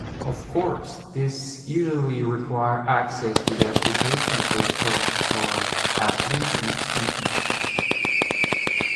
Of course, this usually requires access to the application source code (or at least an extension).